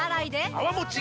泡もち